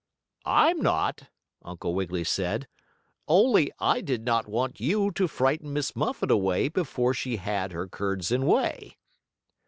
"I'm not," Uncle Wiggily said, "only I did not want you to frighten Miss Muffet away before she had her curds and whey."